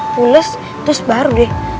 pules terus baru deh